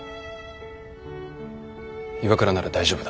岩倉なら大丈夫だ。